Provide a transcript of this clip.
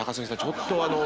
ちょっとあの。